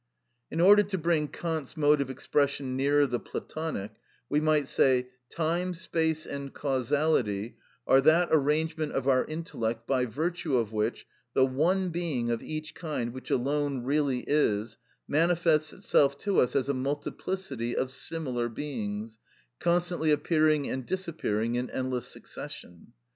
In order to bring Kant's mode of expression nearer the Platonic, we might say: Time, space, and causality are that arrangement of our intellect by virtue of which the one being of each kind which alone really is, manifests itself to us as a multiplicity of similar beings, constantly appearing and disappearing in endless succession.